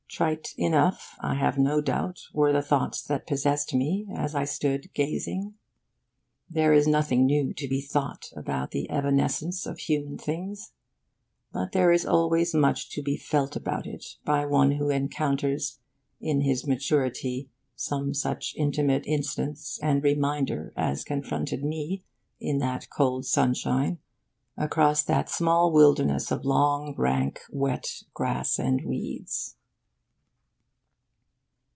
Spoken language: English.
Trite enough, I have no doubt, were the thoughts that possessed me as I stood gazing. There is nothing new to be thought about the evanescence of human things; but there is always much to be felt about it by one who encounters in his maturity some such intimate instance and reminder as confronted me, in that cold sunshine, across that small wilderness of long rank wet grass and weeds.